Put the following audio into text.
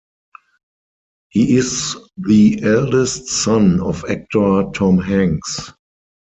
He is the eldest son of actor Tom Hanks.